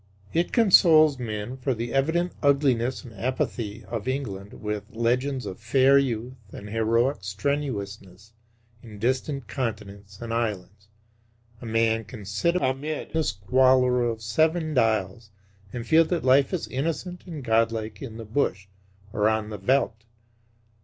It consoles men for the evident ugliness and apathy of England with legends of fair youth and heroic strenuousness in distant continents and islands. A man can sit amid the squalor of Seven Dials and feel that life is innocent and godlike in the bush or on the veldt.